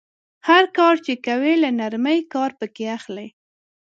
هر کار چې کوئ له نرمۍ کار پکې اخلئ.